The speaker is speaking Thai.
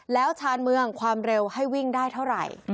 แล้วชานเมืองความเร็วให้วิ่งได้เท่าไหร่